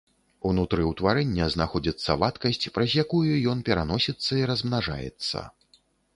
Унутры ўтварэння знаходзіцца вадкасць, праз якую ён пераносіцца і размнажаецца.